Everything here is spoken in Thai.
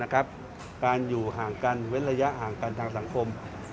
การอยู่ห่างกันเว้นระยะห่างกันทางสังคม